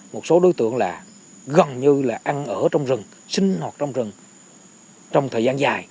một số đối tượng là gần như là ăn ở trong rừng sinh hoặc trong rừng trong thời gian dài